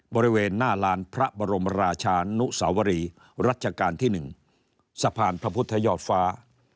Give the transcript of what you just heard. บริเวณหน้าลานพระบรมราชานุสวรีรัชกาลที่๑สะพานพระพุทธยอดฟ้า